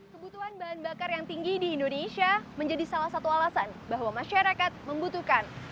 kebutuhan bahan bakar yang tinggi di indonesia menjadi salah satu alasan bahwa masyarakat membutuhkan